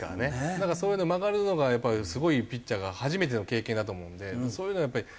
だからそういう曲がるのがやっぱりすごいピッチャーが初めての経験だと思うのでそういうのをやっぱり。